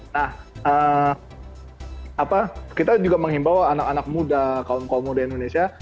nah kita juga menghimbau anak anak muda kaum kaum muda indonesia